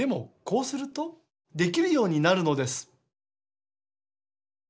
こうするとできるようになるのです。